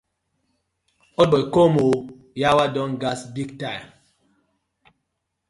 Old boy com ooo!!! Yawa don gas big time.